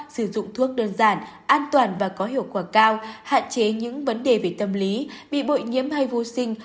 sử dụng thuốc đơn giản an toàn và có hiệu quả cao hạn chế những vấn đề về tâm lý bị bội nhiễm hay vô sinh